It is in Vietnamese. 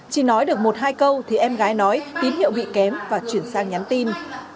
chỉ nói được một hai câu thì em gái nói tín hiệu bị kém và chuyển sang nhắn tin